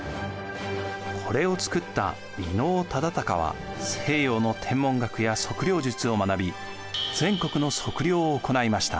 これを作った伊能忠敬は西洋の天文学や測量術を学び全国の測量を行いました。